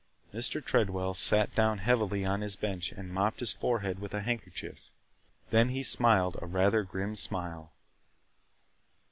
Mr. Tredwell sat down heavily on his bench and mopped his forehead with a handkerchief. Then he smiled a rather grim smile.